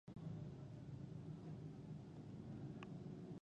او له نوې زاويې نه يې لوستونکي